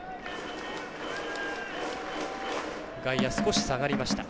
外野、少し下がりました。